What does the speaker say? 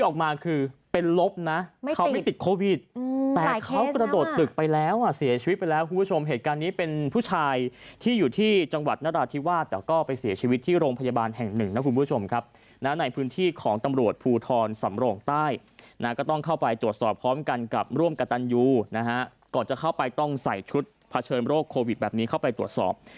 ก่อนจะเข้าไปต้องใส่ชุดผ่าเชิงโรคโควิดแบบนี้เข้าไปตรวจสอบ